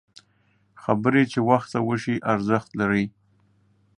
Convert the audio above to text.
خبره چې وخته وشي، ارزښت لري